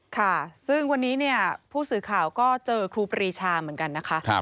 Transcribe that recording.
ค่ะซึ่งวันนี้เนี่ยผู้สื่อข่าวก็เจอครูปรีชาเหมือนกันนะคะ